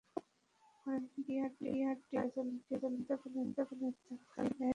পরে বিআরটিএর কার্যালয়ে গিয়ে জানতে পারেন তাঁর গাড়ির নথি গায়েব হয়ে গেছে।